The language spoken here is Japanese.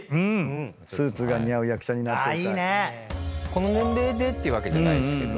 この年齢でってわけじゃないけど。